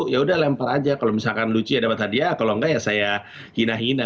ya udah lempar aja kalau misalkan lucu ya dapat hadiah kalau enggak ya saya hina hina